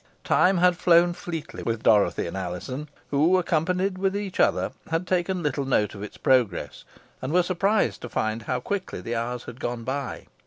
Time had flown fleetly with Dorothy and Alizon, who, occupied with each other, had taken little note of its progress, and were surprised to find how quickly the hours had gone by.